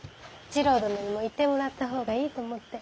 次郎殿にもいてもらった方がいいと思って。